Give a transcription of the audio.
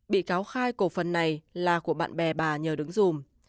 bị cáo khai cổ phần này là của bạn bè bà nhờ đứng dùm